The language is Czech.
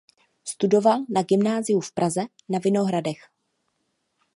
Studoval na gymnáziu v Praze na Vinohradech.